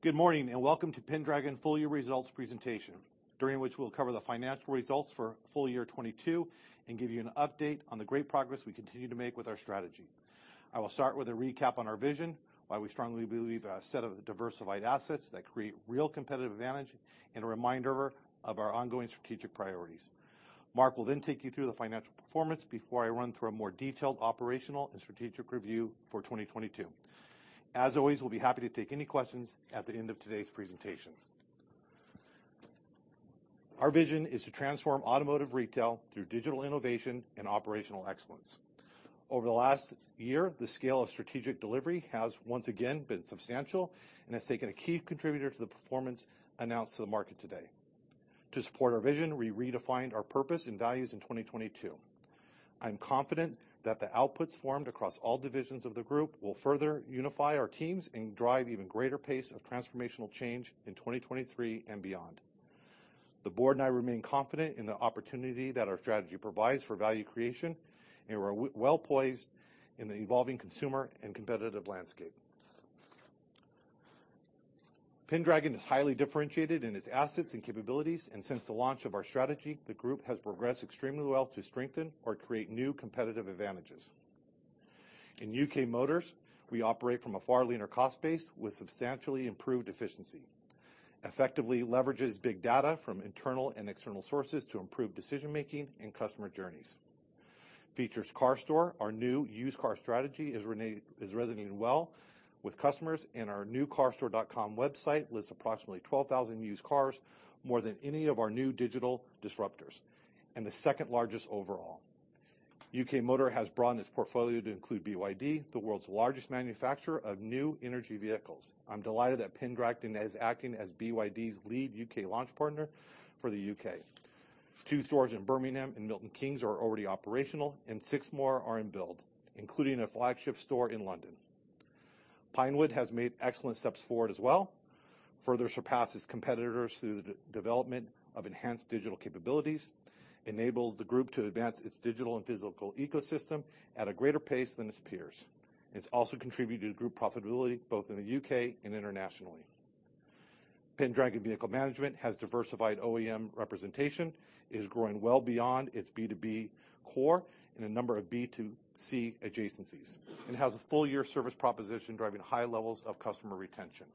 Good morning, and welcome to Pendragon full year results presentation, during which we'll cover the financial results for full year 2022 and give you an update on the great progress we continue to make with our strategy. I will start with a recap on our vision, why we strongly believe a set of diversified assets that create real competitive advantage, and a reminder of our ongoing strategic priorities. Mark will then take you through the financial performance before I run through a more detailed operational and strategic review for 2022. As always, we'll be happy to take any questions at the end of today's presentation. Our vision is to transform automotive retail through digital innovation and operational excellence. Over the last year, the scale of strategic delivery has once again been substantial and has taken a key contributor to the performance announced to the market today. To support our vision, we redefined our purpose and values in 2022. I'm confident that the outputs formed across all divisions of the group will further unify our teams and drive even greater pace of transformational change in 2023 and beyond. The board and I remain confident in the opportunity that our strategy provides for value creation, and we're well poised in the evolving consumer and competitive landscape. Pendragon is highly differentiated in its assets and capabilities, and since the launch of our strategy, the group has progressed extremely well to strengthen or create new competitive advantages. In UK Motor, we operate from a far leaner cost base with substantially improved efficiency, effectively leverages big data from internal and external sources to improve decision-making and customer journeys. Features CarStore, our new used car strategy, is resonating well with customers, and our newcarstore.com website lists approximately 12,000 used cars, more than any of our new digital disruptors, and the second-largest overall. UK Motor has broadened its portfolio to include BYD, the world's largest manufacturer of new energy vehicles. I'm delighted that Pendragon is acting as BYD's lead UK launch partner for the U.K. Two stores in Birmingham and Milton Keynes are already operational, and six more are in build, including a flagship store in London. Pinewood has made excellent steps forward as well, further surpasses competitors through the development of enhanced digital capabilities, enables the group to advance its digital and physical ecosystem at a greater pace than its peers. It's also contributed to group profitability, both in the U.K. and internationally. Pendragon Vehicle Management has diversified OEM representation, is growing well beyond its B2B core in a number of B2C adjacencies, and has a full year service proposition driving high levels of customer retention.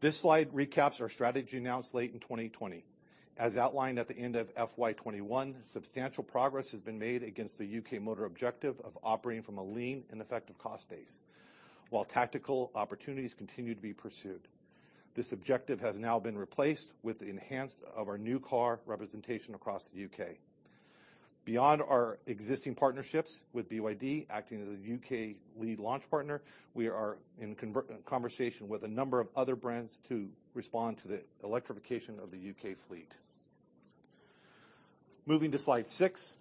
This slide recaps our strategy announced late in 2020. As outlined at the end of FY 2021, substantial progress has been made against the UK Motor objective of operating from a lean and effective cost base, while tactical opportunities continue to be pursued. This objective has now been replaced with the enhanced of our new car representation across the U.K. Beyond our existing partnerships with BYD, acting as a UK lead launch partner, we are in conversation with a number of other brands to respond to the electrification of the UK fleet. Moving to slide six,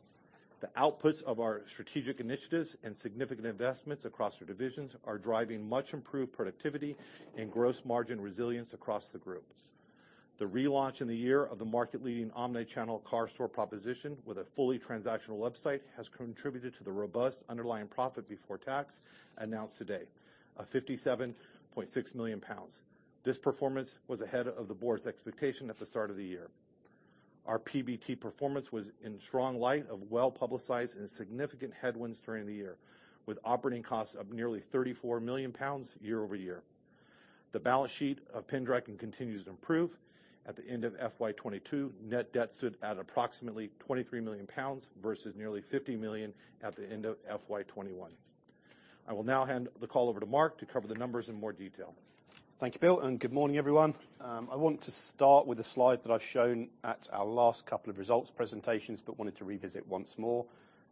the outputs of our strategic initiatives and significant investments across our divisions are driving much improved productivity and gross margin resilience across the group. The relaunch in the year of the market-leading omni-channel CarStore proposition with a fully transactional website has contributed to the robust underlying profit before tax announced today, a 57.6 million pounds. This performance was ahead of the board's expectation at the start of the year. Our PBT performance was in strong light of well-publicized and significant headwinds during the year, with operating costs of nearly 34 million pounds year-over-year. The balance sheet of Pendragon continues to improve. At the end of FY 2022, net debt stood at approximately 23 million pounds versus nearly 50 million at the end of FY 2021. I will now hand the call over to Mark to cover the numbers in more detail. Thank you, Bill. Good morning, everyone. I want to start with a slide that I've shown at our last couple of results presentations, wanted to revisit once more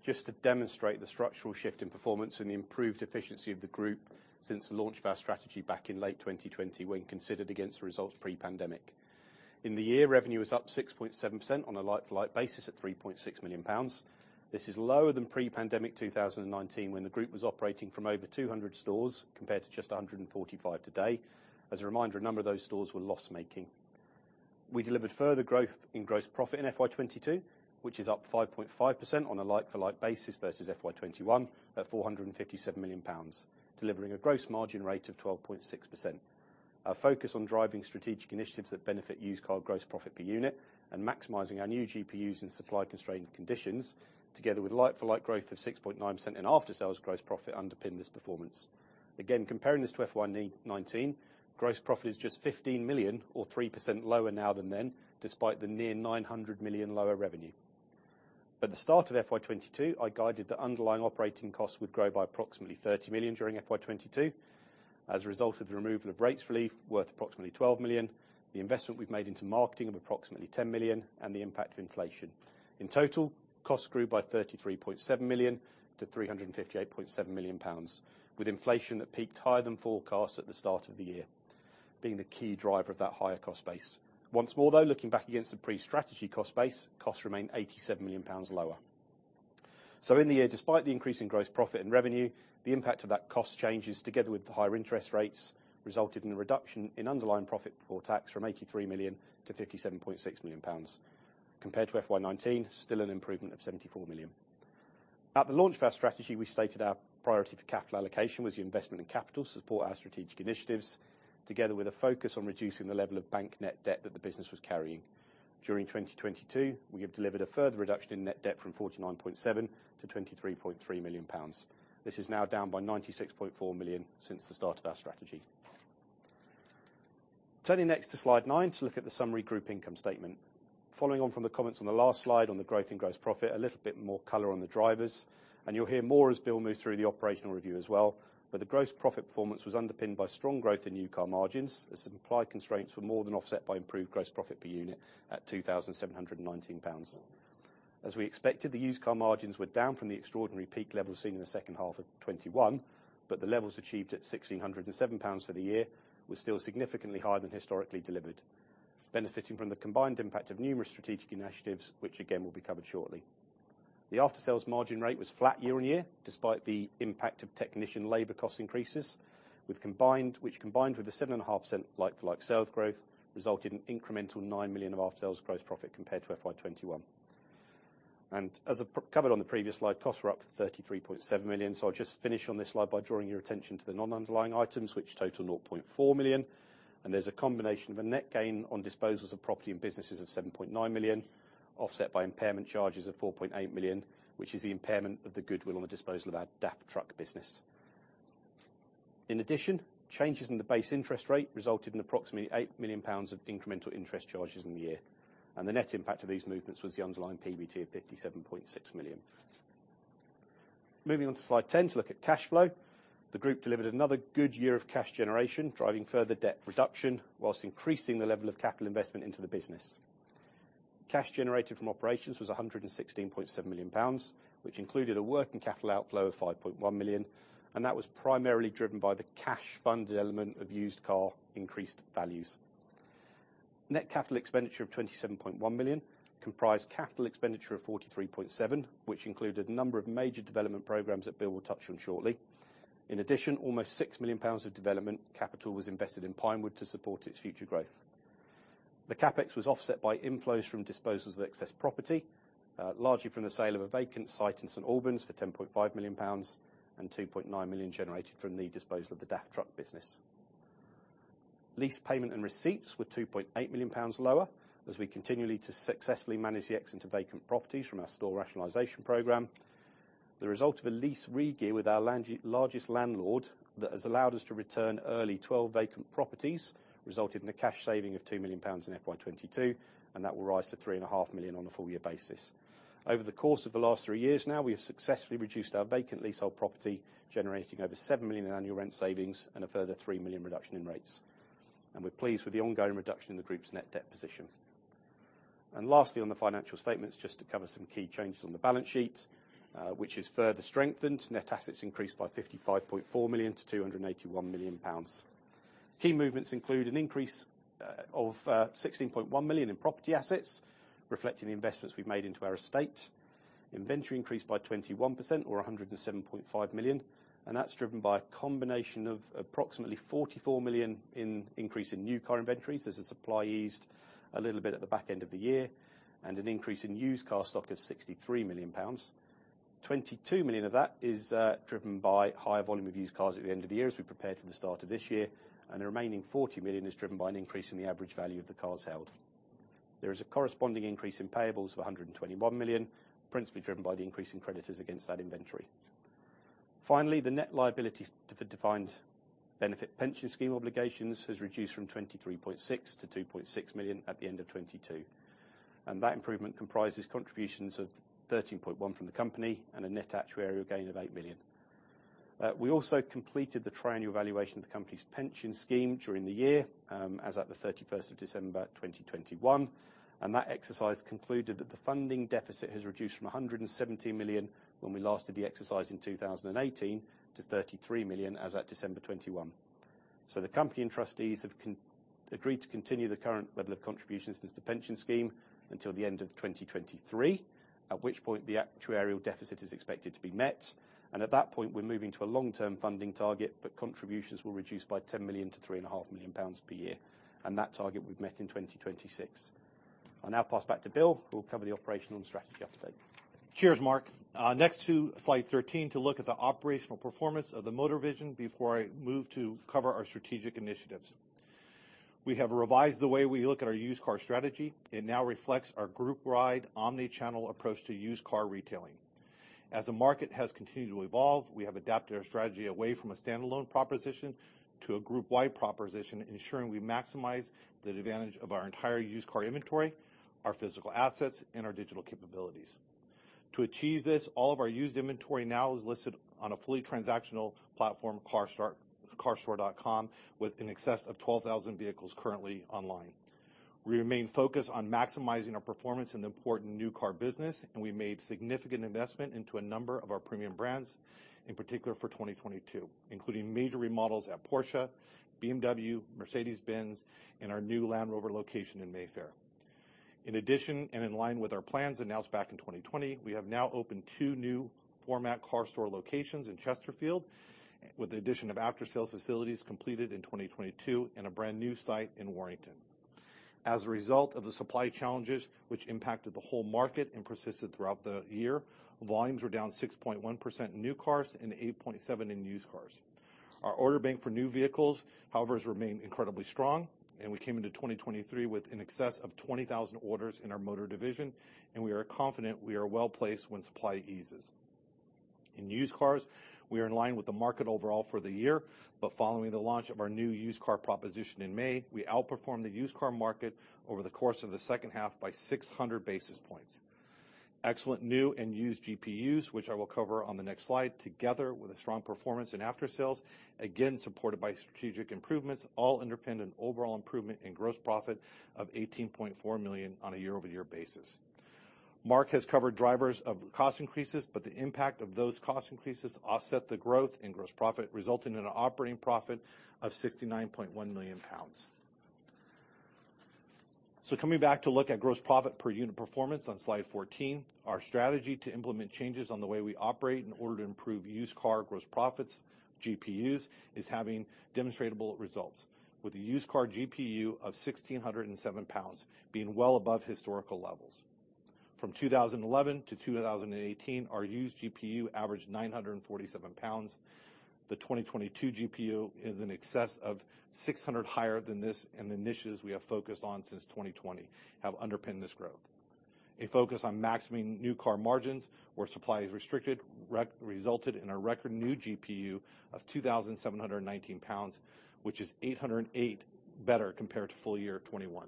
just to demonstrate the structural shift in performance and the improved efficiency of the group since the launch of our strategy back in late 2020 when considered against the results pre-pandemic. In the year, revenue is up 6.7% on a like-for-like basis at 3.6 million pounds. This is lower than pre-pandemic 2019, when the group was operating from over 200 stores compared to just 145 today. As a reminder, a number of those stores were loss-making. We delivered further growth in gross profit in FY 2022, which is up 5.5% on a like-for-like basis versus FY 2021 at 457 million pounds, delivering a gross margin rate of 12.6%. Our focus on driving strategic initiatives that benefit used car gross profit per unit and maximizing our new GPUs in supply constrained conditions, together with like-for-like growth of 6.9% in after sales gross profit underpin this performance. Again, comparing this to FY 2019, gross profit is just 15 million or 3% lower now than then, despite the near 900 million lower revenue. At the start of FY 2022, I guided that underlying operating costs would grow by approximately 30 million during FY 2022 as a result of the removal of rates relief worth approximately 12 million, the investment we've made into marketing of approximately 10 million, and the impact of inflation. In total, costs grew by 33.7 million to 358.7 million pounds, with inflation that peaked higher than forecast at the start of the year, being the key driver of that higher cost base. Once more, though, looking back against the pre-strategy cost base, costs remain 87 million pounds lower. In the year, despite the increase in gross profit and revenue, the impact of that cost changes together with the higher interest rates resulted in a reduction in underlying profit for tax from 83 million to 57.6 million pounds. Compared to FY 2019, still an improvement of 74 million. At the launch of our strategy, we stated our priority for capital allocation was the investment in capital to support our strategic initiatives, together with a focus on reducing the level of bank net debt that the business was carrying. During 2022, we have delivered a further reduction in net debt from 49.7 million to 23.3 million pounds. This is now down by 96.4 million since the start of our strategy. Turning next to slide nine to look at the summary group income statement. Following on from the comments on the last slide on the growth in gross profit, a little bit more color on the drivers, and you'll hear more as Bill moves through the operational review as well. The gross profit performance was underpinned by strong growth in new car margins, as supply constraints were more than offset by improved gross profit per unit at 2,719 pounds. As we expected, the used car margins were down from the extraordinary peak levels seen in the second half of 2021, but the levels achieved at 1,607 pounds for the year were still significantly higher than historically delivered, benefiting from the combined impact of numerous strategic initiatives, which again will be covered shortly. The after-sales margin rate was flat year-on-year despite the impact of technician labor cost increases. Which combined with the 7.5% like-for-like sales growth, resulted in incremental 9 million of after-sales growth profit compared to FY 2021. As I've covered on the previous slide, costs were up 33.7 million. I'll just finish on this slide by drawing your attention to the non-underlying items which total 0.4 million. There's a combination of a net gain on disposals of property and businesses of 7.9 million, offset by impairment charges of 4.8 million, which is the impairment of the goodwill on the disposal of our DAF truck business. In addition, changes in the base interest rate resulted in approximately 8 million pounds of incremental interest charges in the year. The net impact of these movements was the underlying PBT of 57.6 million. Moving on to slide 10 to look at cash flow. The group delivered another good year of cash generation, driving further debt reduction while increasing the level of capital investment into the business. Cash generated from operations was 116.7 million pounds, which included a working capital outflow of 5.1 million. That was primarily driven by the cash funded element of used car increased values. Net capital expenditure of 27.1 million comprised capital expenditure of 43.7 million, which included a number of major development programs that Bill will touch on shortly. In addition, almost 6 million pounds of development capital was invested in Pinewood to support its future growth. The CapEx was offset by inflows from disposals of excess property, largely from the sale of a vacant site in St. Albans for 10.5 million pounds and 2.9 million generated from the disposal of the DAF truck business. Lease payment and receipts were 2.8 million pounds lower as we continue to successfully manage the exit to vacant properties from our store rationalization program. The result of a lease regear with our largest landlord that has allowed us to return early 12 vacant properties resulted in a cash saving of 2 million pounds in FY 2022, and that will rise to three and a half million on a full year basis. Over the course of the last three years now, we have successfully reduced our vacant leasehold property, generating over 7 million in annual rent savings and a further 3 million reduction in rates. We're pleased with the ongoing reduction in the group's net debt position. Lastly, on the financial statements, just to cover some key changes on the balance sheet, which is further strengthened. Net assets increased by 55.4 million to 281 million pounds. Key movements include an increase of 16.1 million in property assets, reflecting the investments we've made into our estate. Inventory increased by 21% or 107.5 million. That's driven by a combination of approximately 44 million in increase in new car inventories as the supply eased a little bit at the back end of the year and an increase in used car stock of 63 million pounds. 22 million of that is driven by higher volume of used cars at the end of the year as we prepared for the start of this year. The remaining 40 million is driven by an increase in the average value of the cars held. There is a corresponding increase in payables of 121 million, principally driven by the increase in creditors against that inventory. Finally, the net liability for defined benefit pension scheme obligations has reduced from 23.6 million to 2.6 million at the end of 2022. That improvement comprises contributions of 13.1 million from the company and a net actuarial gain of 8 million. We also completed the triannual valuation of the company's pension scheme during the year, as at the 31st of December 2021. That exercise concluded that the funding deficit has reduced from 117 million when we last did the exercise in 2018 to 33 million as at December 2021. The company and trustees have agreed to continue the current level of contributions into the pension scheme until the end of 2023, at which point the actuarial deficit is expected to be met. At that point, we're moving to a long-term funding target, but contributions will reduce by 10 million to three and a half million pounds per year. That target we've met in 2026. I'll now pass back to Bill, who will cover the operational and strategy update. Cheers, Mark. Next to slide 13 to look at the operational performance of the Motor division before I move to cover our strategic initiatives. We have revised the way we look at our used car strategy. It now reflects our group-wide omnichannel approach to used car retailing. As the market has continued to evolve, we have adapted our strategy away from a standalone proposition to a group-wide proposition, ensuring we maximize the advantage of our entire used car inventory, our physical assets, and our digital capabilities. To achieve this, all of our used inventory now is listed on a fully transactional platform, carstore.com, with in excess of 12,000 vehicles currently online. We remain focused on maximizing our performance in the important new car business, and we made significant investment into a number of our premium brands, in particular for 2022, including major remodels at Porsche, BMW, Mercedes-Benz, and our new Land Rover location in Mayfair. In addition, and in line with our plans announced back in 2020, we have now opened two 2 new format CarStore locations in Chesterfield, with the addition of after-sales facilities completed in 2022 and a brand new site in Warrington. As a result of the supply challenges which impacted the whole market and persisted throughout the year, volumes were down 6.1% in new cars and 8.7% in used cars. Our order bank for new vehicles, however, has remained incredibly strong. We came into 2023 with in excess of 20,000 orders in our motor division. We are confident we are well-placed when supply eases. In used cars, we are in line with the market overall for the year. Following the launch of our new used car proposition in May, we outperformed the used car market over the course of the second half by 600 basis points. Excellent new and used GPUs, which I will cover on the next slide, together with a strong performance in aftersales, again supported by strategic improvements, all underpinned an overall improvement in gross profit of 18.4 million on a year-over-year basis. Mark has covered drivers of cost increases, the impact of those cost increases offset the growth in gross profit, resulting in an operating profit of 69.1 million pounds. Coming back to look at gross profit per unit performance on slide 14, our strategy to implement changes on the way we operate in order to improve used car gross profits, GPUs, is having demonstrable results with a used car GPU of 1,607 pounds being well above historical levels. From 2011 to 2018, our used GPU averaged 947 pounds. The 2022 GPU is in excess of 600 higher than this, the initiatives we have focused on since 2020 have underpinned this growth. A focus on maximizing new car margins where supply is restricted re-resulted in a record new GPU of 2,719 pounds, which is 808 better compared to full year 2021.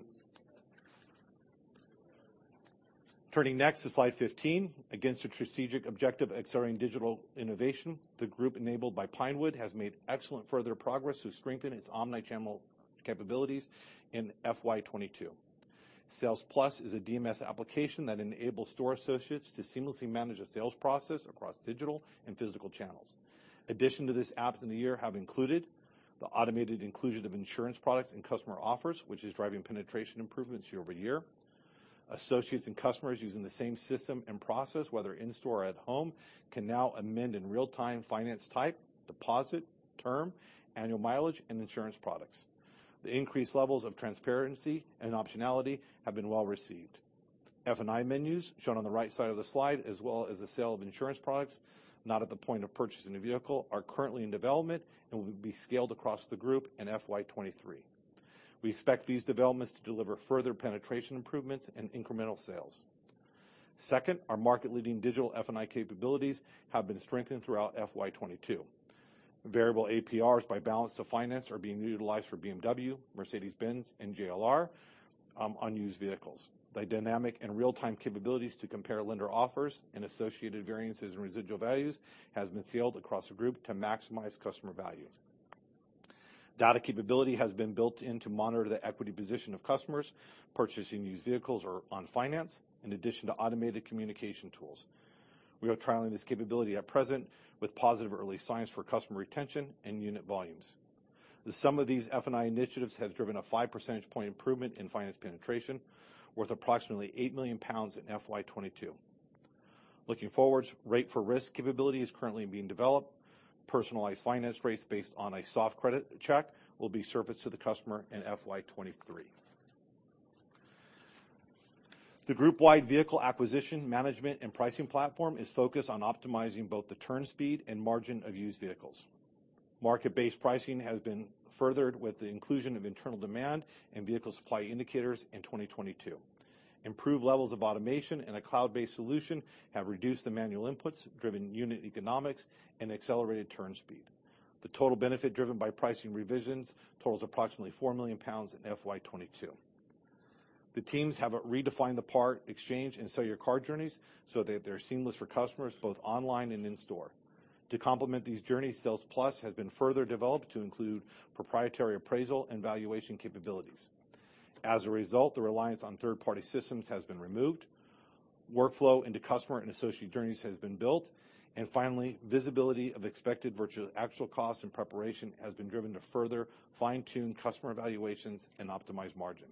Turning next to slide 15, against the strategic objective accelerating digital innovation, the group enabled by Pinewood has made excellent further progress to strengthen its omni-channel capabilities in FY 2022. Sales Plus is a DMS application that enables store associates to seamlessly manage the sales process across digital and physical channels. Addition to this app in the year have included the automated inclusion of insurance products and customer offers, which is driving penetration improvements year-over-year. Associates and customers using the same system and process, whether in-store or at home, can now amend in real time finance type, deposit, term, annual mileage, and insurance products. The increased levels of transparency and optionality have been well received. F&I menus, shown on the right side of the slide, as well as the sale of insurance products, not at the point of purchasing a vehicle, are currently in development and will be scaled across the group in FY 2023. We expect these developments to deliver further penetration improvements and incremental sales. Second, our market-leading digital F&I capabilities have been strengthened throughout FY 2022. Variable APRs by balance to finance are being utilized for BMW, Mercedes-Benz, and JLR on used vehicles. The dynamic and real-time capabilities to compare lender offers and associated variances in residual values has been scaled across the group to maximize customer value. Data capability has been built in to monitor the equity position of customers purchasing used vehicles or on finance, in addition to automated communication tools. We are trialing this capability at present with positive early signs for customer retention and unit volumes. The sum of these F&I initiatives has driven a 5 percentage point improvement in finance penetration worth approximately 8 million pounds in FY 2022. Looking forward, Rate for Risk capability is currently being developed. Personalized finance rates based on a soft credit check will be surfaced to the customer in FY 2023. The group-wide vehicle acquisition, management, and pricing platform is focused on optimizing both the turn speed and margin of used vehicles. Market-based pricing has been furthered with the inclusion of internal demand and vehicle supply indicators in 2022. Improved levels of automation and a cloud-based solution have reduced the manual inputs, driven unit economics, and accelerated turn speed. The total benefit driven by pricing revisions totals approximately 4 million pounds in FY 2022. The teams have redefined the part exchange and sell your car journeys so that they're seamless for customers both online and in store. To complement these journeys, Sales Plus has been further developed to include proprietary appraisal and valuation capabilities. As a result, the reliance on third-party systems has been removed. Workflow into customer and associate journeys has been built. Finally, visibility of expected virtual actual costs and preparation has been driven to further fine-tune customer evaluations and optimize margin.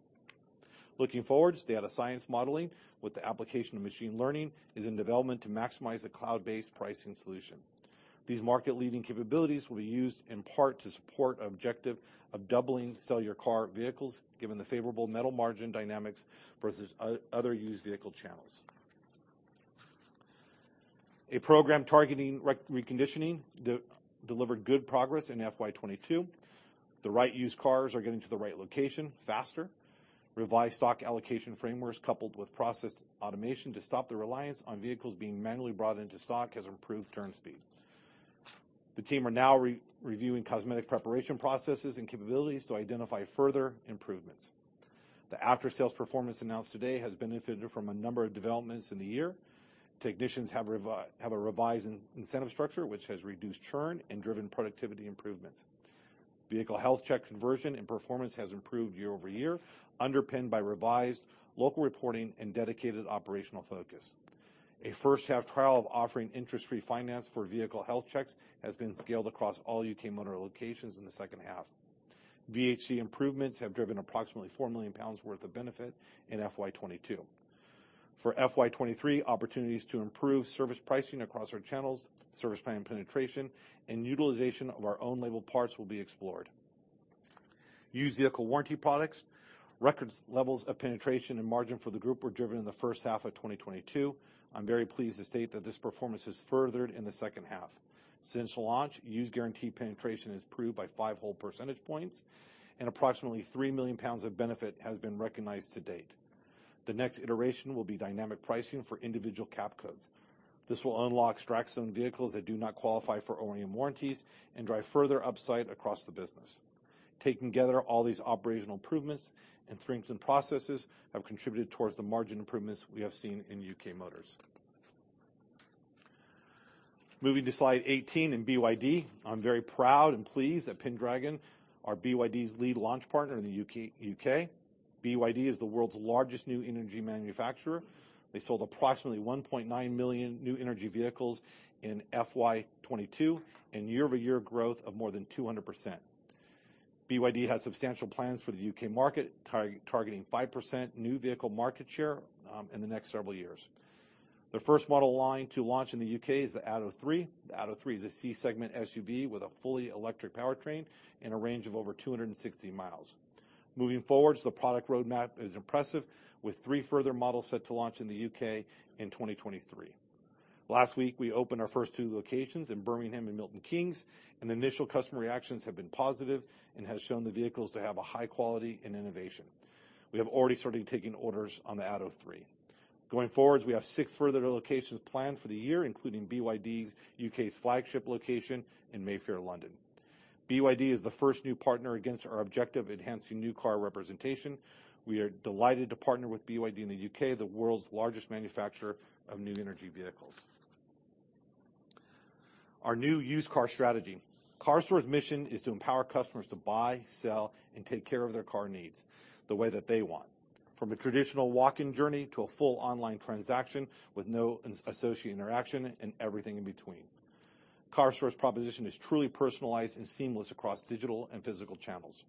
Looking forward, data science modeling with the application of machine learning is in development to maximize the cloud-based pricing solution. These market-leading capabilities will be used in part to support objective of doubling sell your car vehicles given the favorable metal margin dynamics versus other used vehicle channels. A program targeting reconditioning delivered good progress in FY 2022. The right used cars are getting to the right location faster. Revised stock allocation frameworks coupled with process automation to stop the reliance on vehicles being manually brought into stock has improved turn speed. The team are now re-reviewing cosmetic preparation processes and capabilities to identify further improvements. The aftersales performance announced today has benefited from a number of developments in the year. Technicians have a revised in-incentive structure which has reduced churn and driven productivity improvements. Vehicle health check conversion and performance has improved year-over-year, underpinned by revised local reporting and dedicated operational focus. A first-half trial of offering interest-free finance for vehicle health checks has been scaled across all UK Motor locations in the second half. VHC improvements have driven approximately 4 million pounds worth of benefit in FY22. For FY 2023, opportunities to improve service pricing across our channels, service plan penetration, and utilization of our own label parts will be explored. Used vehicle warranty products. Record levels of penetration and margin for the group were driven in the first half of 2022. I'm very pleased to state that this performance is furthered in the second half. Since launch, used guarantee penetration has improved by 5 percentage points, and approximately 3 million pounds of benefit has been recognized to date. The next iteration will be dynamic pricing for individual CAP codes. This will unlock strats on vehicles that do not qualify for OEM warranties and drive further upside across the business. Taken together, all these operational improvements and strengthened processes have contributed towards the margin improvements we have seen in UK Motor. Moving to slide 18 in BYD. I'm very proud and pleased that Pendragon are BYD's lead launch partner in the U.K. BYD is the world's largest new energy manufacturer. They sold approximately 1.9 million new energy vehicles in FY 2022. Year-over-year growth of more than 200%. BYD has substantial plans for the U.K. market, targeting 5% new vehicle market share in the next several years. The first model line to launch in the U.K. is the ATTO 3. The ATTO 3 is a C-segment SUV with a fully electric powertrain and a range of over 260 miles. Moving forward, the product roadmap is impressive, with three further models set to launch in the U.K. in 2023. Last week, we opened our first two locations in Birmingham and Milton Keynes. The initial customer reactions have been positive and has shown the vehicles to have a high quality and innovation. We have already started taking orders on the ATTO 3. Going forward, we have six further locations planned for the year, including BYD's U.K.'s flagship location in Mayfair, London. BYD is the first new partner against our objective, enhancing new car representation. We are delighted to partner with BYD in the U.K., the world's largest manufacturer of new energy vehicles. Our new used car strategy. CarStore's mission is to empower customers to buy, sell, and take care of their car needs the way that they want. From a traditional walk-in journey to a full online transaction with no as-associate interaction and everything in between. CarStore's proposition is truly personalized and seamless across digital and physical channels.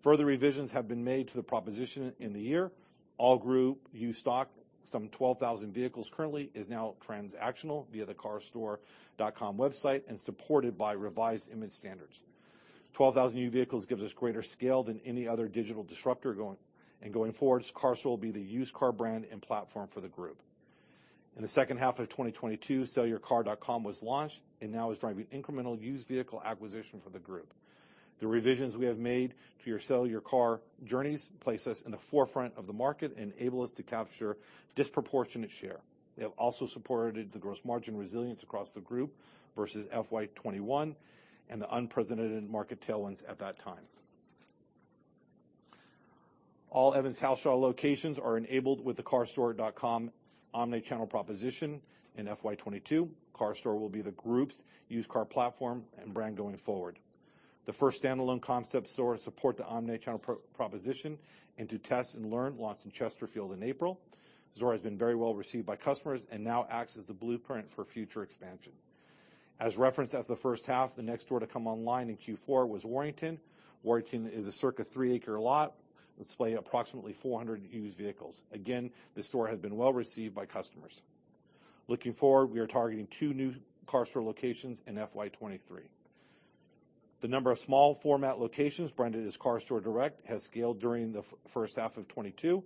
Further revisions have been made to the proposition in the year. All group used stock, some 12,000 vehicles currently, is now transactional via the CarStore.com website and supported by revised image standards. 12,000 new vehicles gives us greater scale than any other digital disruptor going forwards, CarStore will be the used car brand and platform for the group. In the second half of 2022, SellYourCar.com was launched and now is driving incremental used vehicle acquisition for the group. The revisions we have made to your Sell Your Car journeys place us in the forefront of the market and enable us to capture disproportionate share. They have also supported the gross margin resilience across the group versus FY 2021 and the unprecedented market tailwinds at that time. All Evans Halshaw locations are enabled with the carstore.com omni-channel proposition in FY 2022. CarStore will be the group's used car platform and brand going forward. The first standalone concept store to support the omni-channel pro-proposition and to test and learn launched in Chesterfield in April. The store has been very well received by customers and now acts as the blueprint for future expansion. As referenced at the first half, the next door to come online in Q4 was Warrington. Warrington is a circa three-acre lot, displaying approximately 400 used vehicles. Again, the store has been well received by customers. Looking forward, we are targeting two new CarStore locations in FY 2023. The number of small format locations branded as CarStore Direct has scaled during the first half of 2022.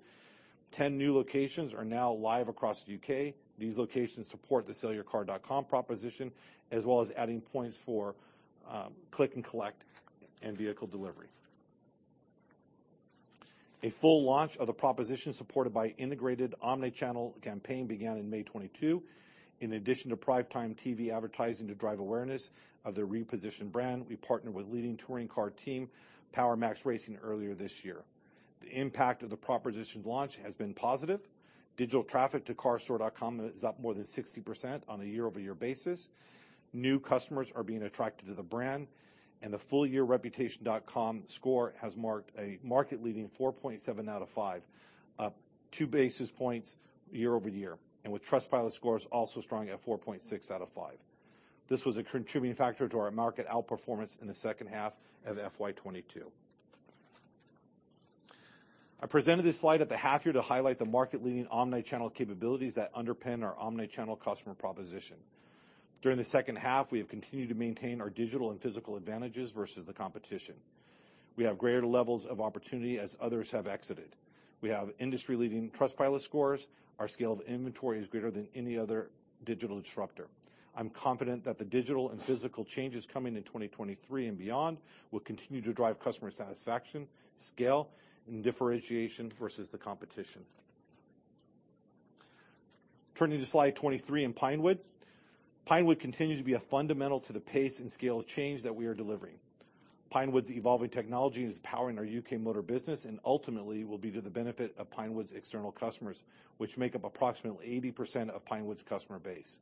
10 new locations are now live across the U.K. These locations support the SellYourCar.com proposition, as well as adding points for click and collect and vehicle delivery. A full launch of the proposition supported by integrated omni-channel campaign began in May 2022. In addition to primetime TV advertising to drive awareness of the repositioned brand, we partnered with leading touring car team, Power Maxed Racing, earlier this year. The impact of the proposition launch has been positive. Digital traffic to carstore.com is up more than 60% on a year-over-year basis. New customers are being attracted to the brand. The full year reputation.com score has marked a market-leading 4.7 out of 5, up 2 basis points year-over-year, and with Trustpilot scores also strong at 4.6 out of 5. This was a contributing factor to our market outperformance in the second half of FY 2022. I presented this slide at the half year to highlight the market-leading omni-channel capabilities that underpin our omni-channel customer proposition. During the second half, we have continued to maintain our digital and physical advantages versus the competition. We have greater levels of opportunity as others have exited. We have industry-leading Trustpilot scores. Our scale of inventory is greater than any other digital disruptor. I'm confident that the digital and physical changes coming in 2023 and beyond will continue to drive customer satisfaction, scale, and differentiation versus the competition. Turning to slide 23 in Pinewood. Pinewood continues to be a fundamental to the pace and scale of change that we are delivering. Pinewood's evolving technology is powering our UK Motor business and ultimately will be to the benefit of Pinewood's external customers, which make up approximately 80% of Pinewood's customer base.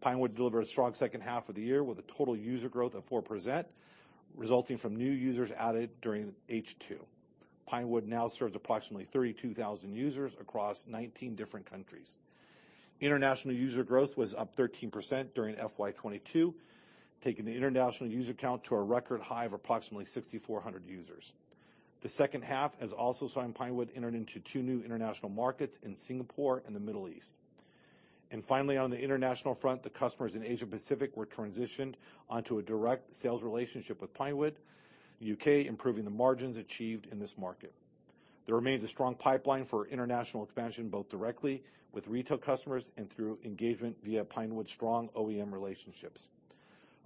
Pinewood delivered a strong second half of the year with a total user growth of 4%, resulting from new users added during H2. Pinewood now serves approximately 32,000 users across 19 different countries. International user growth was up 13% during FY 2022, taking the international user count to a record high of approximately 6,400 users. The second half has also seen Pinewood entered into two new international markets in Singapore and the Middle East. Finally, on the international front, the customers in Asia-Pacific were transitioned onto a direct sales relationship with Pinewood, U.K. improving the margins achieved in this market. There remains a strong pipeline for international expansion, both directly with retail customers and through engagement via Pinewood's strong OEM relationships.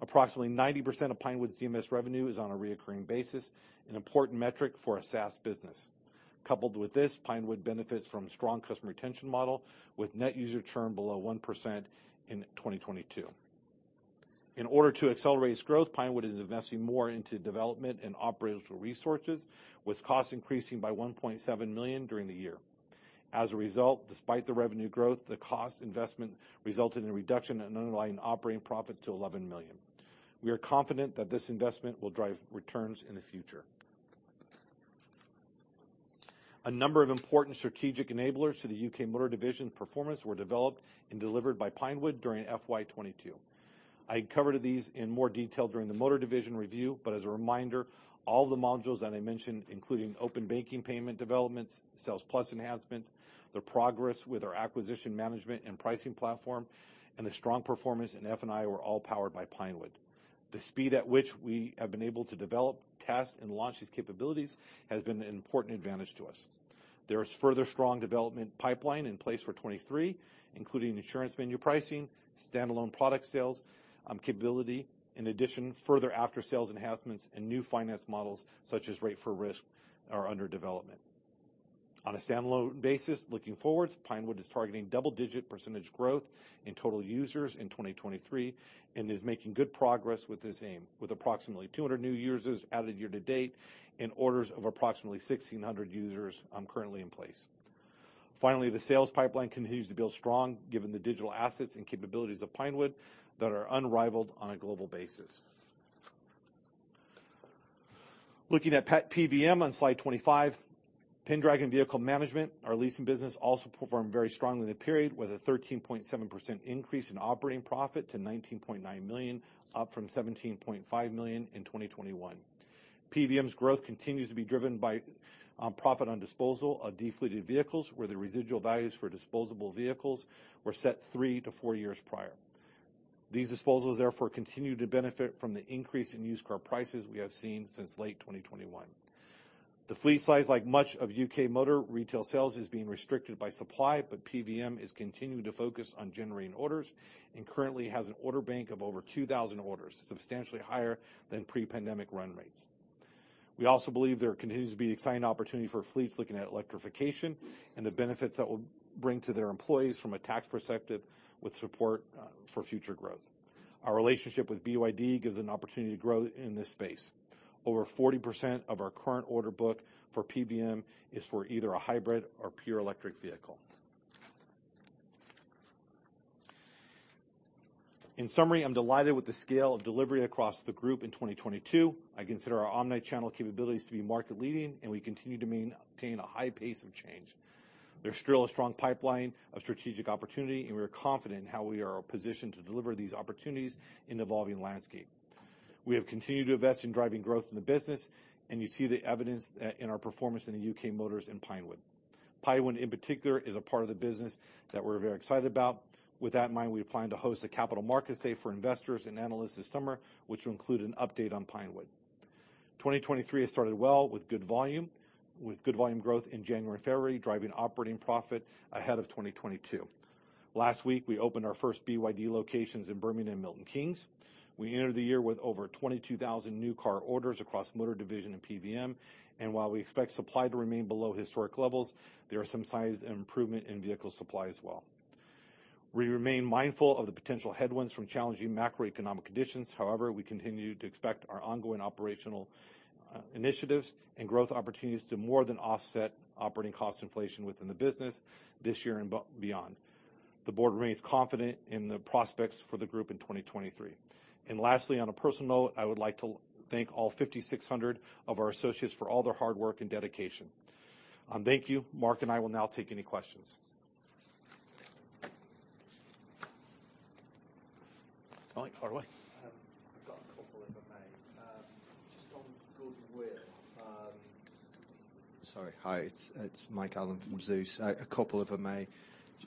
Approximately 90% of Pinewood's DMS revenue is on a reoccurring basis, an important metric for a SaaS business. Coupled with this, Pinewood benefits from a strong customer retention model with net user churn below 1% in 2022. In order to accelerate its growth, Pinewood is investing more into development and operational resources, with costs increasing by 1.7 million during the year. Despite the revenue growth, the cost investment resulted in a reduction in underlying operating profit to 11 million. We are confident that this investment will drive returns in the future. A number of important strategic enablers to the UK Motor division performance were developed and delivered by Pinewood during FY 2022. I covered these in more detail during the Motor division review, as a reminder, all the modules that I mentioned, including open banking payment developments, Sales Plus enhancement, the progress with our acquisition management and pricing platform, and the strong performance in F&I were all powered by Pinewood. The speed at which we have been able to develop, test, and launch these capabilities has been an important advantage to us. There is further strong development pipeline in place for 2023, including insurance menu pricing, stand-alone product sales capability. In addition, further after-sales enhancements and new finance models such as Rate for Risk are under development. On a stand-alone basis, looking forward, Pinewood is targeting double-digit % growth in total users in 2023 and is making good progress with this aim, with approximately 200 new users added year to date and orders of approximately 1,600 users currently in place. Finally, the sales pipeline continues to build strong given the digital assets and capabilities of Pinewood that are unrivaled on a global basis. Looking at PVM on slide 25, Pendragon Vehicle Management, our leasing business, also performed very strongly in the period with a 13.7% increase in operating profit to 19.9 million, up from 17.5 million in 2021. PVM's growth continues to be driven by profit on disposal of de-fleeted vehicles, where the residual values for disposable vehicles were set three to four years prior. These disposals, therefore, continue to benefit from the increase in used car prices we have seen since late 2021. The fleet size, like much of UK motor retail sales, is being restricted by supply. PVM is continuing to focus on generating orders and currently has an order bank of over 2,000 orders, substantially higher than pre-pandemic run rates. We also believe there continues to be exciting opportunity for fleets looking at electrification and the benefits that will bring to their employees from a tax perspective with support for future growth. Our relationship with BYD gives an opportunity to grow in this space. Over 40% of our current order book for PVM is for either a hybrid or pure electric vehicle. In summary, I'm delighted with the scale of delivery across the group in 2022. I consider our omni-channel capabilities to be market leading, and we continue to obtain a high pace of change. There's still a strong pipeline of strategic opportunity, and we are confident in how we are positioned to deliver these opportunities in evolving landscape. We have continued to invest in driving growth in the business, and you see the evidence in our performance in the UK Motor and Pinewood. Pinewood, in particular, is a part of the business that we're very excited about. With that in mind, we plan to host a capital markets day for investors and analysts this summer, which will include an update on Pinewood. 2023 has started well with good volume growth in January and February, driving operating profit ahead of 2022. Last week, we opened our first BYD locations in Birmingham, Milton Keynes. We entered the year with over 22,000 new car orders across Motor division and PVM. While we expect supply to remain below historic levels, there are some signs and improvement in vehicle supply as well. We remain mindful of the potential headwinds from challenging macroeconomic conditions. However, we continue to expect our ongoing operational initiatives and growth opportunities to more than offset operating cost inflation within the business this year and beyond. The board remains confident in the prospects for the group in 2023. Lastly, on a personal note, I would like to thank all 5,600 of our associates for all their hard work and dedication. Thank you. Mark and I will now take any questions. Mike, fire away. Sorry. Hi, it's Mike Allen from Zeus. A couple if I may.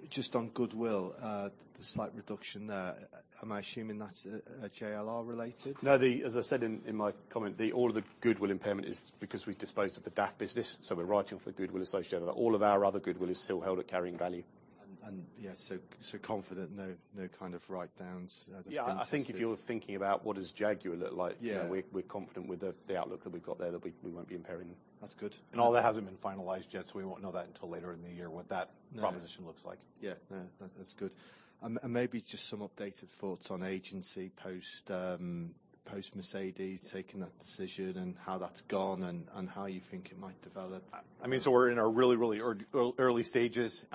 Just on goodwill, the slight reduction there, am I assuming that's JLR-related? No. As I said in my comment, all of the goodwill impairment is because we've disposed of the DAF business, we're writing off the goodwill associated. All of our other goodwill is still held at carrying value. Yeah, so confident, no kind of write-downs, has been tested? Yeah, I think if you're thinking about what does Jaguar look like... Yeah.... you know, we're confident with the outlook that we've got there that we won't be impairing. That's good. All that hasn't been finalized yet, so we won't know that until later in the year, what that proposition looks like. Yeah, no, that's good. Maybe just some updated thoughts on agency post Mercedes taking that decision and how that's gone and how you think it might develop. I mean, so we're in our really, really early stages.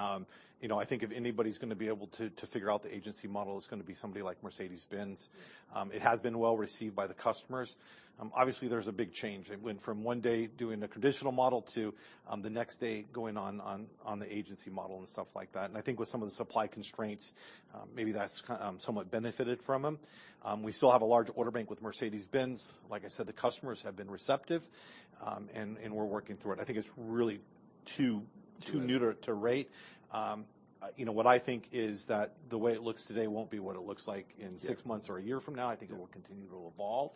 You know, I think if anybody's gonna be able to figure out the agency model, it's gonna be somebody like Mercedes-Benz. It has been well received by the customers. Obviously there's a big change. It went from one day doing the traditional model to the next day going on the agency model and stuff like that. I think with some of the supply constraints, maybe that's somewhat benefited from them. We still have a large order bank with Mercedes-Benz. Like I said, the customers have been receptive. We're working through it. I think it's really...Too new to rate. You know, what I think is that the way it looks today won't be what it looks like in six months or a year from now. Yeah. I think it will continue to evolve.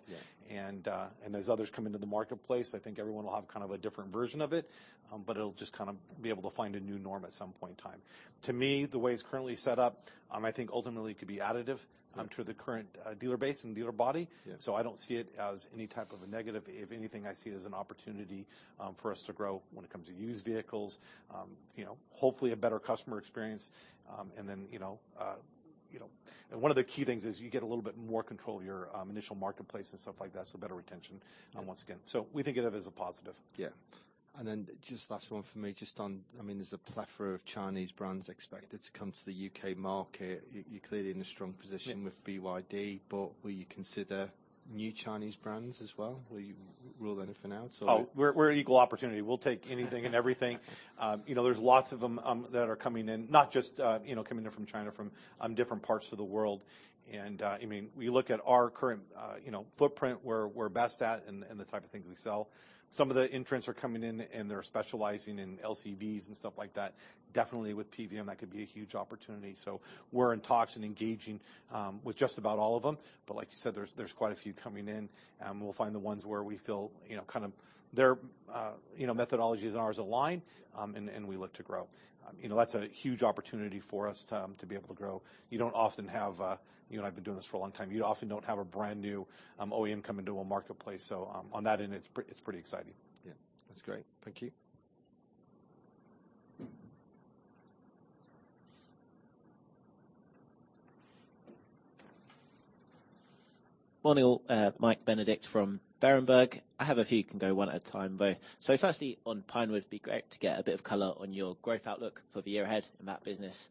Yeah. As others come into the marketplace, I think everyone will have kind of a different version of it. It'll just kind of be able to find a new norm at some point in time. To me, the way it's currently set up, I think ultimately could be additive- Mm-hmm. ...to the current dealer base and dealer body. Yeah. I don't see it as any type of a negative. If anything, I see it as an opportunity for us to grow when it comes to used vehicles. You know, hopefully a better customer experience. Then, you know, you know. One of the key things is you get a little bit more control of your initial marketplace and stuff like that, so better retention once again. We think of it as a positive. Yeah. Then just last one for me, just on, I mean, there's a plethora of Chinese brands expected to come to the U.K. market. You're clearly in a strong position- Yeah. ...with BYD, but will you consider new Chinese brands as well? Will you rule anything out or- We're equal opportunity. We'll take anything and everything. You know, there's lots of them that are coming in, not just, you know, coming in from China, from different parts of the world. I mean, we look at our current, you know, footprint, where we're best at in the, in the type of things we sell. Some of the entrants are coming in and they're specializing in LCVs and stuff like that. Definitely with PVM, that could be a huge opportunity. We're in talks and engaging with just about all of them. Like you said, there's quite a few coming in, and we'll find the ones where we feel, you know, kind of their, you know, methodologies and ours align, and we look to grow. You know, that's a huge opportunity for us to be able to grow. You don't often have. You and I have been doing this for a long time. You often don't have a brand new OEM come into a marketplace. On that end, it's pretty exciting. Yeah. That's great. Thank you. Morning, all. Michael Benedict from Berenberg. I have a few. You can go one at a time, both. Firstly, on Pinewood, it'd be great to get a bit of color on your growth outlook for the year ahead in that business.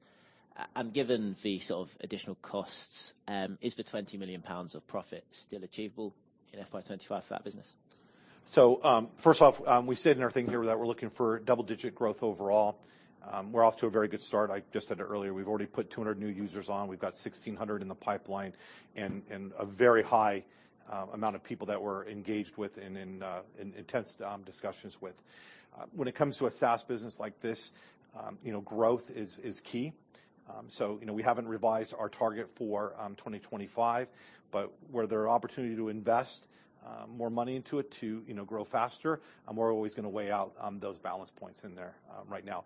Given the sort of additional costs, is the 20 million pounds of profit still achievable in FY 2025 for that business? First off, we said in our thing here that we're looking for double-digit growth overall. We're off to a very good start. I just said it earlier. We've already put 200 new users on. We've got 1,600 in the pipeline and a very high amount of people that we're engaged with and in intense discussions with. When it comes to a SaaS business like this, you know, growth is key. You know, we haven't revised our target for 2025, but where there are opportunity to invest more money into it to, you know, grow faster, we're always gonna weigh out those balance points in there right now.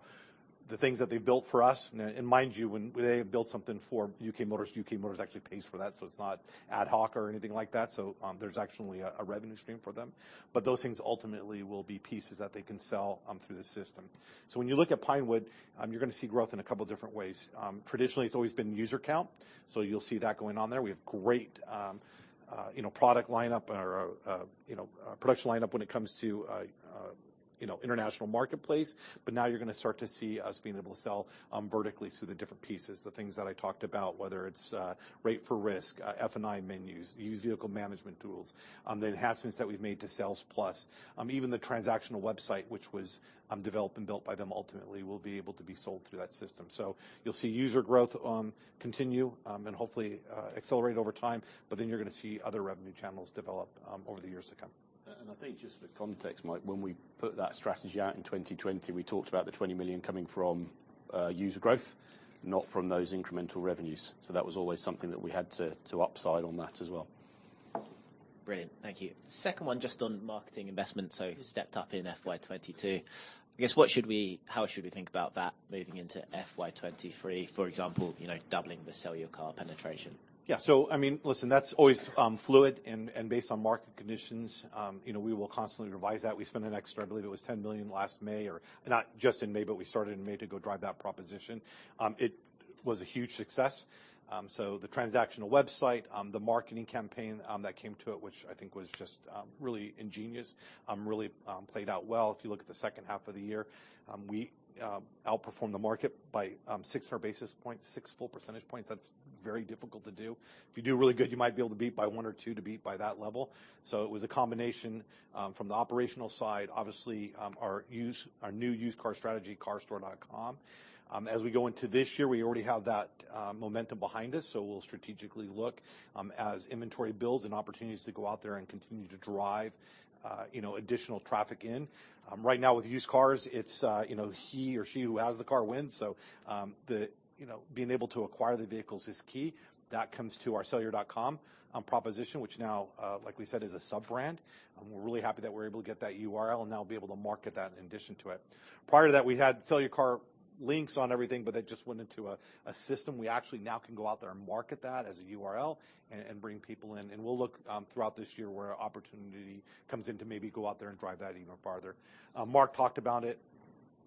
The things that they built for us. Mind you, when they build something for UK Motor, UK Motor actually pays for that, it's not ad hoc or anything like that. There's actually a revenue stream for them. Those things ultimately will be pieces that they can sell through the system. When you look at Pinewood, you're gonna see growth in a couple different ways. Traditionally, it's always been user count, you'll see that going on there. We have great, you know, product lineup or, you know, production lineup when it comes to, you know, international marketplace. Now you're gonna start to see us being able to sell vertically through the different pieces. The things that I talked about, whether it's, Rate for Risk, F&I menus, used vehicle management tools, the enhancements that we've made to Sales Plus. Even the transactional website, which was, developed and built by them ultimately, will be able to be sold through that system. You'll see user growth, continue, and hopefully, accelerate over time. You're gonna see other revenue channels develop, over the years to come. I think just for context, Mike, when we put that strategy out in 2020, we talked about the 20 million coming from user growth, not from those incremental revenues. That was always something that we had to upside on that as well. Brilliant. Thank you. Second one, just on marketing investment, so stepped up in FY 2022. I guess what should we how should we think about that moving into FY 2023? For example, you know, doubling the Sell Your Car penetration. Yeah. I mean, listen, that's always fluid and based on market conditions, you know, we will constantly revise that. We spent an extra, I believe it was 10 million last May or not just in May, but we started in May to go drive that proposition. It was a huge success. The transactional website, the marketing campaign, that came to it, which I think was just really ingenious, really played out well. If you look at the second half of the year, we outperformed the market by 600 basis points, 6 full percentage points. That's very difficult to do. If you do really good, you might be able to beat by one or two to beat by that level. It was a combination from the operational side, obviously, our new used car strategy, carstore.com. As we go into this year, we already have that momentum behind us, so we'll strategically look as inventory builds and opportunities to go out there and continue to drive, you know, additional traffic in. Right now with used cars, it's, you know, he or she who has the car wins. The, you know, being able to acquire the vehicles is key. That comes to our sellyourcar.com proposition, which now, like we said, is a sub-brand. We're really happy that we're able to get that URL and now be able to market that in addition to it. Prior to that, we had Sell Your Car links on everything, but that just went into a system. We actually now can go out there and market that as a URL and bring people in. We'll look throughout this year where opportunity comes in to maybe go out there and drive that even farther. Mark talked about it.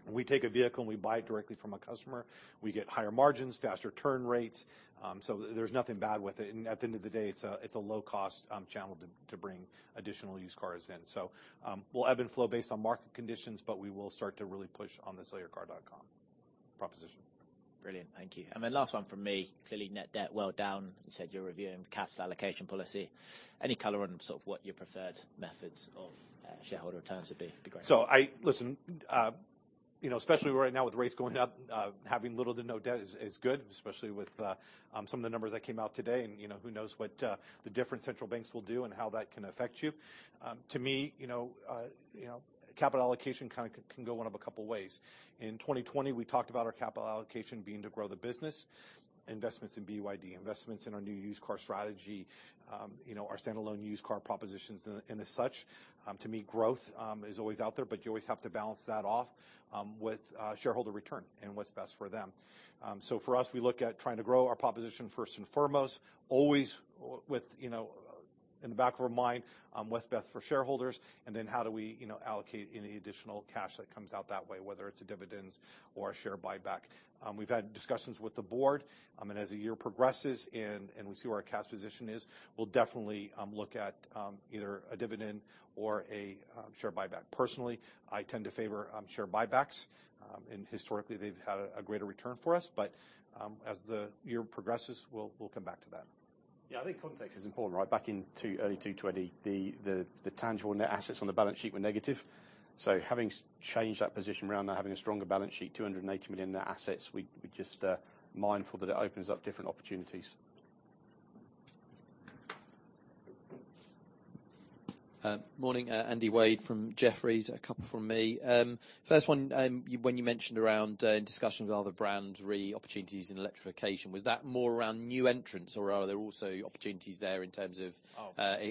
We take a vehicle, and we buy it directly from a customer. We get higher margins, faster turn rates, so there's nothing bad with it. At the end of the day, it's a low-cost channel to bring additional used cars in. We'll ebb and flow based on market conditions, but we will start to really push on the sellyourcar.com proposition. Brilliant. Thank you. Then last one from me. Clearly net debt well down. You said you're reviewing cash allocation policy. Any color on sort of what your preferred methods of shareholder returns would be? Would be great. I... Listen, you know, especially right now with rates going up, having little to no debt is good, especially with some of the numbers that came out today and, you know, who knows what the different central banks will do and how that can affect you. To me, you know, you know, capital allocation kind of can go one of a couple ways. In 2020 we talked about our capital allocation being to grow the business, investments in BYD, investments in our new used car strategy, you know, our standalone used car propositions and the such. To me growth is always out there, but you always have to balance that off with shareholder return and what's best for them. For us, we look at trying to grow our proposition first and foremost, always with, you know, in the back of our mind, what's best for shareholders, then how do we, you know, allocate any additional cash that comes out that way, whether it's a dividend or a share buyback. We've had discussions with the board, as the year progresses and we see where our cash position is, we'll definitely look at either a dividend or a share buyback. Personally, I tend to favor share buybacks. Historically they've had a greater return for us. As the year progresses, we'll come back to that. Yeah, I think context is important, right? Back in early 2020 the tangible net assets on the balance sheet were negative. Having changed that position around now, having a stronger balance sheet, 280 million net assets, we just mindful that it opens up different opportunities. Morning. Andy Wade from Jefferies. A couple from me. First one, when you mentioned around, in discussion with other brands re opportunities in electrification, was that more around new entrants, or are there also opportunities there in terms of- Um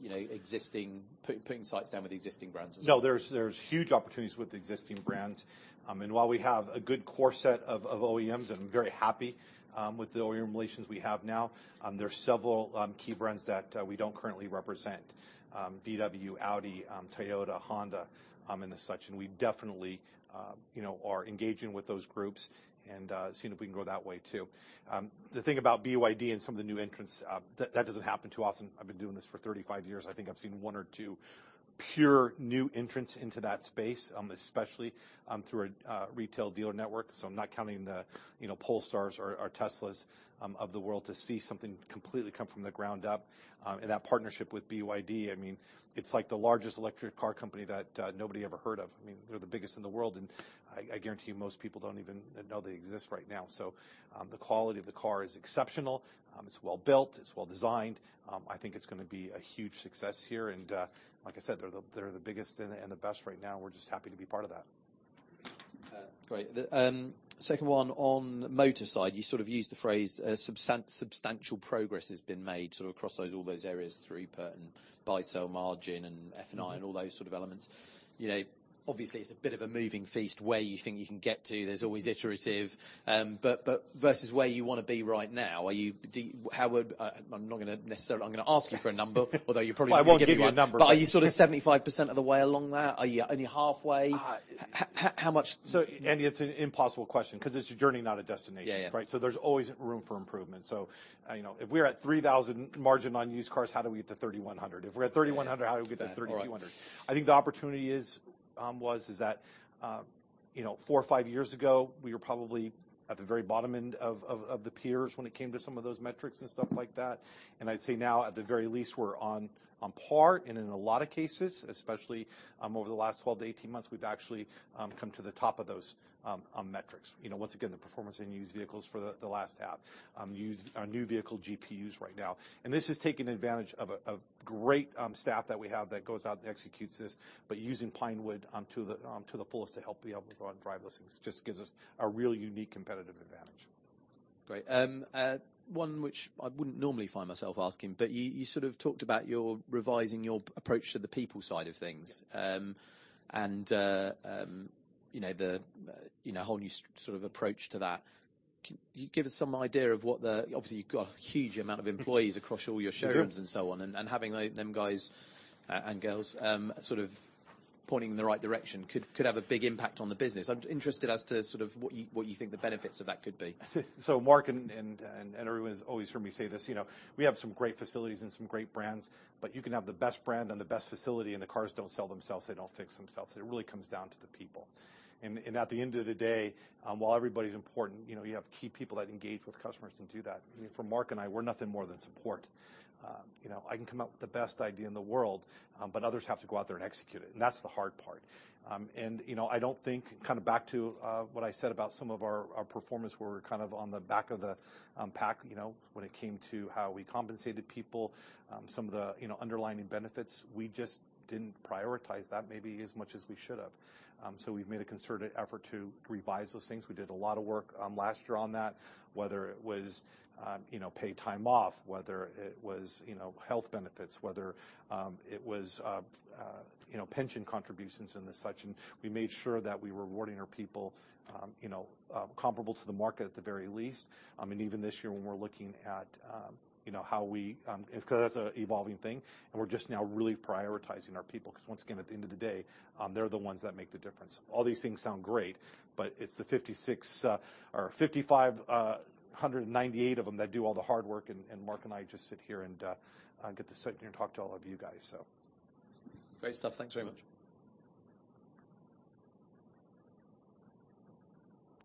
...you know, existing, putting sites down with existing brands as well? No, there's huge opportunities with existing brands. While we have a good core set of OEMs and very happy with the OEM relations we have now, there are several key brands that we don't currently represent, VW, Audi, Toyota, Honda, and the such. We definitely, you know, are engaging with those groups and seeing if we can go that way too. The thing about BYD and some of the new entrants, that doesn't happen too often. I've been doing this for 35 years. I think I've seen one or two pure new entrants into that space, especially through a retail dealer network. So I'm not counting the, you know, Polestars or Teslas of the world to see something completely come from the ground up. That partnership with BYD, I mean, it's like the largest electric car company that nobody ever heard of. I mean, they're the biggest in the world, and I guarantee you most people don't even know they exist right now. The quality of the car is exceptional. It's well built, it's well designed. I think it's gonna be a huge success here, and like I said, they're the biggest and the best right now, and we're just happy to be part of that. Great. The second one on motor side, you sort of used the phrase a substantial progress has been made sort of across those, all those areas through [per and buy, sell margin and F&I and all those sort of elements. You know, obviously it's a bit of a moving feast where you think you can get to. There's always iterative. Versus where you wanna be right now, how would... I'm not gonna necessarily, I'm gonna ask you for a number- Although you probably won't give me one. I won't give you a number. Are you sort of 75% of the way along there? Are you only halfway? Uh- How much- Andy, it's an impossible question 'cause it's a journey, not a destination. Yeah, yeah. Right? There's always room for improvement. You know, if we're at 3,000 margin on used cars, how do we get to 3,100? If we're at 3,100, how do we get to 3,200? Right. Right. I think the opportunity is, you know, four or five years ago, we were probably at the very bottom end of the peers when it came to some of those metrics and stuff like that. I'd say now at the very least, we're on par. In a lot of cases, especially, over the last 12 to 18 months, we've actually come to the top of those metrics. You know, once again, the performance in used vehicles for the last half. Our new vehicle GPUs right now. This has taken advantage of a great staff that we have that goes out and executes this. Using Pinewood to the fullest to help be able to run drive listings just gives us a really unique competitive advantage. Great. One which I wouldn't normally find myself asking, but you sort of talked about your, revising your approach to the people side of things. You know, the, you know, whole new sort of approach to that. Can you give us some idea of what. Obviously, you've got a huge amount of employees across all your showrooms... Mm-hmm ...and so on. Having them guys and girls, sort of pointing in the right direction could have a big impact on the business. I'm interested as to sort of what you think the benefits of that could be. Mark and everyone has always heard me say this, you know, we have some great facilities and some great brands. You can have the best brand and the best facility, and the cars don't sell themselves, they don't fix themselves. It really comes down to the people. At the end of the day, while everybody's important, you know, you have key people that engage with customers and do that. I mean, for Mark and I, we're nothing more than support. You know, I can come up with the best idea in the world, but others have to go out there and execute it, and that's the hard part. You know, I don't think, kind of back to what I said about some of our performance, we're kind of on the back of the pack, you know, when it came to how we compensated people. Some of the, you know, underlying benefits, we just didn't prioritize that maybe as much as we should have. We've made a concerted effort to revise those things. We did a lot of work last year on that, whether it was, you know, paid time off, whether it was, you know, health benefits, whether it was, you know, pension contributions and the such, and we made sure that we were rewarding our people, you know, comparable to the market at the very least. Even this year when we're looking at, you know, how we, 'cause that's an evolving thing, and we're just now really prioritizing our people. 'Cause once again, at the end of the day, they're the ones that make the difference. All these things sound great, but it's the 56, or 5,598 of them that do all the hard work and Mark and I just sit here and get to sit here and talk to all of you guys, so. Great stuff. Thanks very much.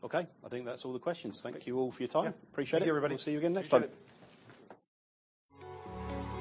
Okay. I think that's all the questions. Thank you all for your time. Yeah. Appreciate it. Thank you, everybody. See you again next time. Bye.